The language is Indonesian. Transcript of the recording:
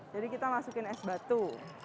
jadi kita masukin es batu